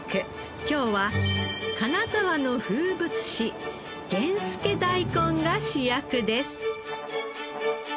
今日は金沢の風物詩源助だいこんが主役です。